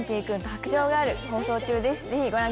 放送中です！